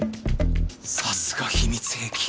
さすが秘密兵器！